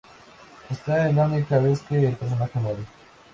Esta es la única vez que el personaje muere.